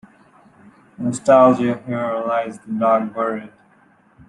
Nostalgia Here lies the dog buried.